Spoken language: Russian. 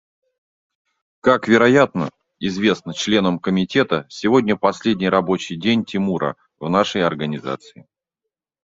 Как, вероятно, известно членам Комитета, сегодня последний рабочий день Тимура в нашей Организации.